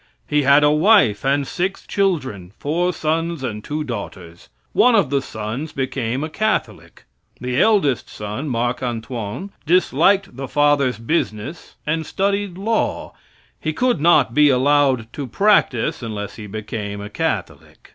He had a wife and six children, four sons and two daughters. One of the sons became a Catholic. The eldest son, Marc Antoine, disliked his father's business and studied law. He could not be allowed to practice unless he became a Catholic.